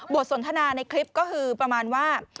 สนทนาในคลิปก็คือประมาณว่า